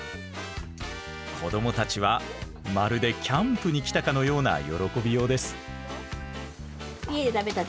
子どもたちはまるでキャンプに来たかのような喜びようです。